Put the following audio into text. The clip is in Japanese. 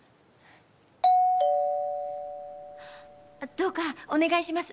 どうかお願いします。